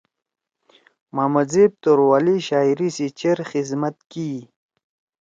محمد زیب توروالی شاعری سی چیر خذمت کی ئی۔